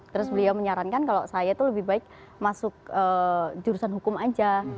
terus beliau menyarankan kalau saya itu lebih baik masuk jurusan hukum aja